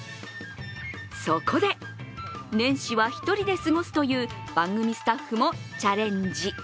そこで、年始は１人で過ごすという番組スタッフもチャレンジ。